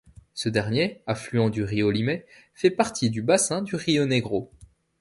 Ce dernier, affluent du río Limay, fait partie du bassin du río Negro.